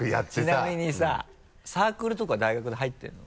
ちなみにさサークルとか大学で入ってるの？